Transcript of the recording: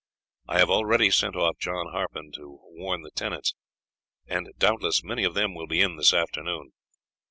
I have already sent off John Harpen to warn the tenants, and doubtless many of them will be in this afternoon.